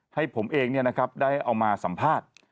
ให้ผมเองได้เอามาสัมภาษณ์